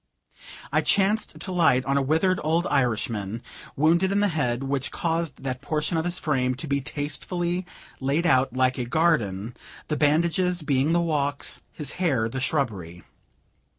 I chanced to light on a withered old Irishman, wounded in the head, which caused that portion of his frame to be tastefully laid out like a garden, the bandages being the walks, his hair the shrubbery.